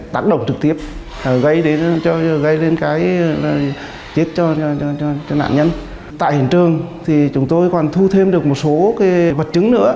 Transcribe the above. tại hiện trường thì chúng tôi còn thu thêm được một số vật chứng nữa